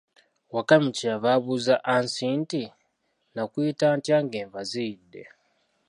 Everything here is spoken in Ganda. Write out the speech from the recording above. Wakamyu kye yava abuuza Aansi nti, nnaakuyita ntya ng'enva ziyidde?